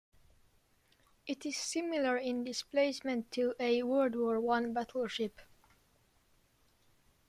It is similar in displacement to a World War One battleship.